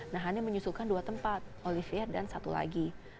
nah hani menyusulkan dua tempat olivier dan satu lagi